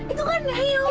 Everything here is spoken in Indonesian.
itu kan niu